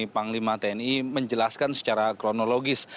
panglima tni menjelaskan secara kronologis